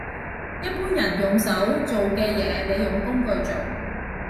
一般人用手做嘅嘢，你用工具做